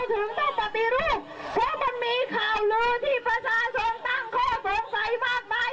ทุกท่านหน้าจะได้เห็นแล้วว่าทำไมเราถึงต้องปฏิรูป